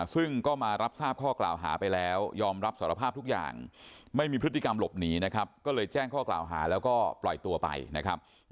ซึ่งก็มารับทราบข้อกล่าวหาไปแล้วยอมรับสารภาพทุกอย่างไม่มีพฤติกรรมหลบหนีนะครับก็เลยแจ้งข้อกล่าวหาแล้วก็ปล่อยตัวไปนะครับ